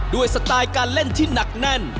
สไตล์การเล่นที่หนักแน่น